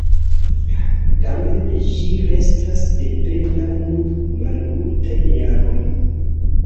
Tamen ĝi restis dependa nur malmultajn jarojn.